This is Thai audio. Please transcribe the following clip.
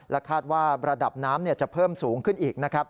และคาดว่าระดับน้ำจะเพิ่มสูงขึ้นอีก